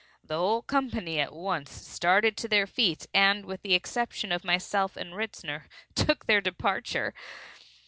The whole company at once started to their feet, and, with the exception of myself and Ritzner, took their departure.